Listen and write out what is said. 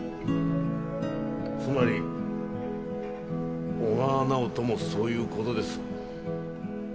つまり小川奈緒ともそういうことです。